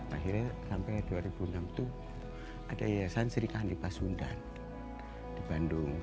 akhirnya sampai dua ribu enam itu ada yayasan serikahan ipa sundan di bandung